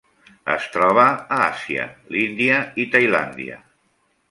Es troba a Àsia: l'Índia i Tailàndia.